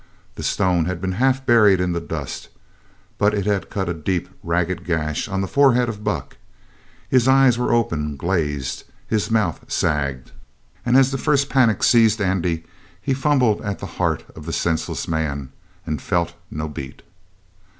The stone had been half buried in the dust, but it had cut a deep, ragged gash on the forehead of Buck. His eyes were open, glazed; his mouth sagged; and as the first panic seized Andy he fumbled at the heart of the senseless man and felt no beat.